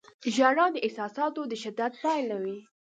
• ژړا د احساساتو د شدت پایله وي.